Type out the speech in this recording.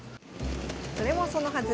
それもそのはず